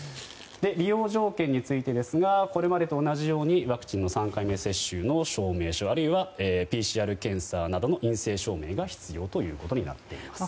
利用条件についてですがこれまでと同じようにワクチンの３回目接種の証明書あるいはＰＣＲ検査などの陰性証明が必要となっています。